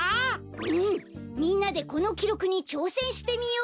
うんみんなでこのきろくにちょうせんしてみようよ。